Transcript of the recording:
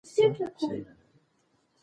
د اوبو نلونه په سمه توګه بند کړئ.